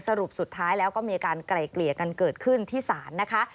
สรุปสุดท้ายแล้วก็มีการไกล่เกลี่ยกันเกิดขึ้นที่ศาลนะคะ